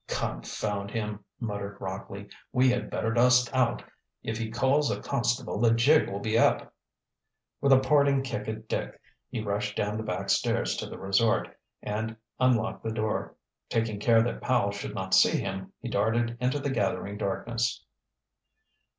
"Confound him!" muttered Rockley. "We had better dust out. If he calls a constable the jig will be up." With a parting kick at Dick he rushed down the back stairs to the resort, and unlocked the door. Taking care that Powell should not see him, he darted into the gathering darkness.